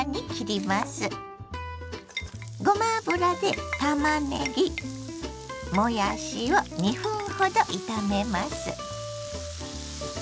ごま油でたまねぎもやしを２分ほど炒めます。